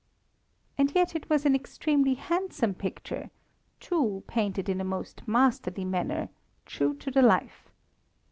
And yet it was an extremely handsome picture, too, painted in a most masterly manner true to the life.